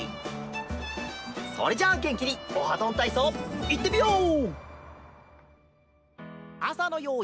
それじゃあげんきに「オハどんたいそう」いってみよう！